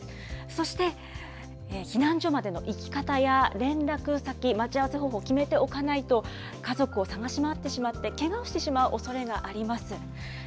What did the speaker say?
そして避難所までの行き方や連絡先、待ち合わせ方法、決めておかないと、家族を捜し回ってしまって、けがをしてしまうおそれがあります。